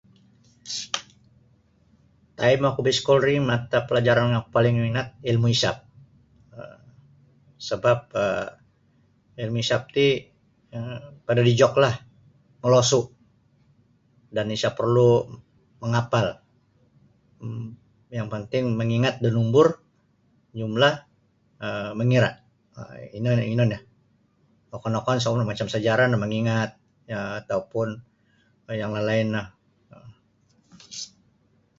Taim oku baiskul ri mata pelajaran yang oku paling minat ilmu hisab um sabap um ilmu hisab ti pada um dijoklah molosu' dan isa' porlu' mangapal um yang panting mangingat da numbur jumlah um mangira' ino ino nio wokon-wokon macam sejarah no mangingat um atau pun yang lain-lain no.